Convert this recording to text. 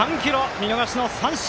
見逃し三振！